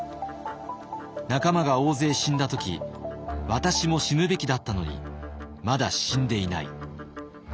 仲間が大勢死んだ時私も死ぬべきだったのにまだ死んでいない。